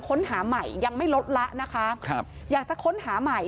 ค้นหาใหม่ยังไม่ลดละนะคะครับอยากจะค้นหาใหม่